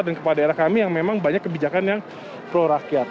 dan kepada daerah kami yang memang banyak kebijakan yang prorakyat